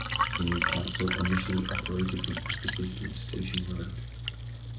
The new council initially operated from offices in Station Road.